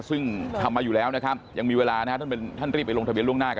ฟังเสียงท่านเลขาธิการกรกฎตอหน่อยนะครับ